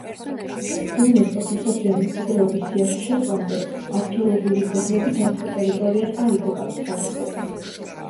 იუნესკოს მსოფლიო მემკვიდრეობის სიაში შესვლამდე, არექოლოგიური ძეგლები დაცულ ტერიტორიად არ იყო გამოცხადებული.